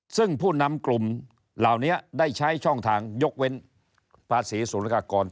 ซึ่งผู้นำกลุ่มเหล่านี้ได้ใช้ช่องทางยกเว้นภาษีสุรกากร